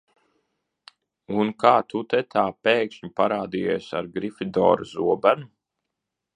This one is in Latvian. Un kā tu te tā pēkšņi parādījies ar Grifidora zobenu?